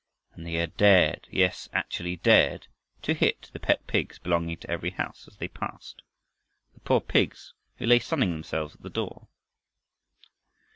And they had dared yes actually DARED to hit the pet pigs belonging to every house as they passed. The poor pigs who lay sunning themselves at the door!